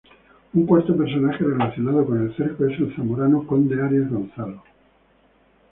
Un cuarto personaje relacionado con el Cerco es el zamorano Conde Arias Gonzalo.